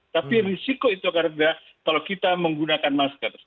tapi risiko itu karena kalau kita menggunakan masker